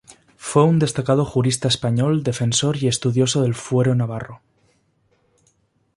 Fue un destacado jurista español, defensor y estudioso del Fuero Navarro.